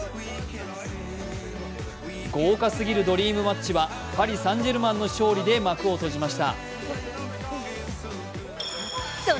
豪華すぎるドリームマッチはパリ・サン＝ジェルマンの勝利で幕を閉じました。